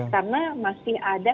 karena masih ada